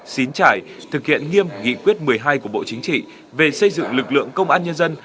xín trải thực hiện nghiêm nghị quyết một mươi hai của bộ chính trị về xây dựng lực lượng công an nhân dân